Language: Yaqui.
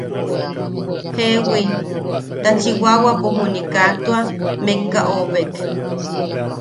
–Jeewi, ta Chiwawapo juni kaa tua mekka oʼobek.